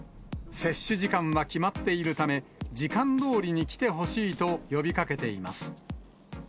接種時間は決まっているため、時間どおりに来てほしいと呼びかけています。